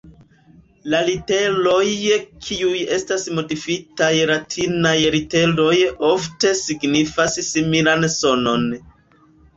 La literoj kiuj estas modifitaj latinaj literoj ofte signifas similan sonon.